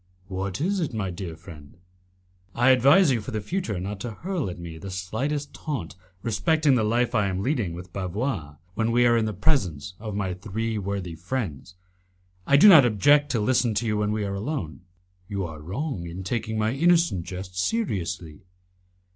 "What is it, my dear friend?" "I advise you for the future not to hurl at me the slightest taunt respecting the life I am leading with Bavois, when we are in the presence of my three worthy friends. I do not object to listen to you when we are alone." "You are wrong in taking my innocent jests seriously."